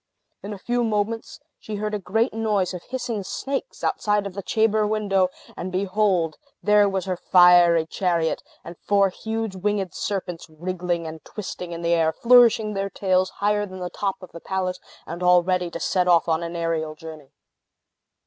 In a few moments, she heard a great noise of hissing snakes outside of the chamber window; and behold! there was her fiery chariot, and four huge winged serpents, wriggling and twisting in the air, flourishing their tails higher than the top of the palace, and all ready to set off on an aerial journey.